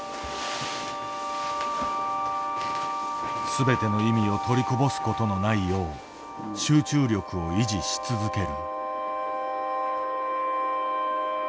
全ての意味を取りこぼすことのないよう集中力を維持し続ける。